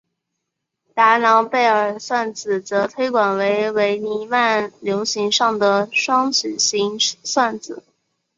达朗贝尔算子则推广为伪黎曼流形上的双曲型算子。